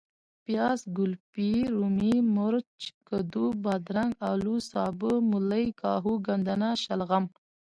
پیاز ،ګلفي ،رومي ،مرچ ،کدو ،بادرنګ ،الو ،سابه ،ملۍ ،کاهو ،ګندنه ،شلغم